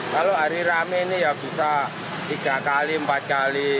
kalau hari rame ini ya bisa tiga kali empat kali